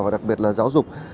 và đặc biệt là giáo dục